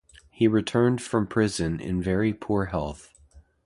He returned from prison in very poor health.